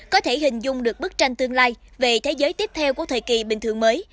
có thể hình dung được bức tranh tương lai về thế giới tiếp theo của thời kỳ bình thường mới